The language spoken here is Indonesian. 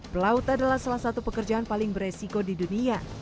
pelaut adalah salah satu pekerjaan paling beresiko di dunia